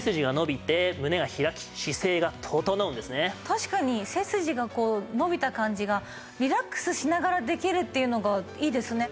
確かに背筋がこう伸びた感じがリラックスしながらできるっていうのがいいですね。